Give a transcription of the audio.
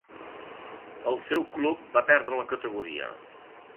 Els eu club va perdre la categoria.